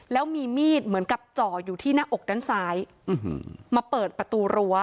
แล้วมีมีดเหมือนกับจ่ออยู่ที่หน้าอกด้านซ้ายมาเปิดประตูรั้ว